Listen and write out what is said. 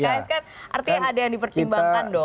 pks kan artinya ada yang dipertimbangkan dong